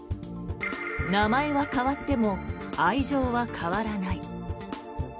名前は変わっても愛情は変わらない。